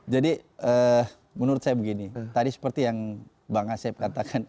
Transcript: menurut saya begini tadi seperti yang bang asep katakan